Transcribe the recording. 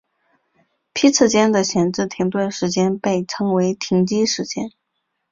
批次间的闲置停顿时间被称为停机时间。